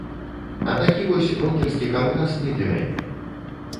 А такі вось рокерскі калгас не для мяне.